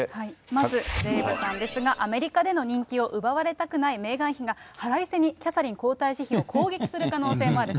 まずデーブさんですが、アメリカでの人気を奪われたくないメーガン妃が、腹いせにキャサリン皇太子妃を攻撃する可能性もある。